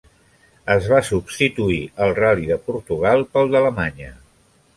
Es va substituir el ral·li de Portugal pel d'Alemanya.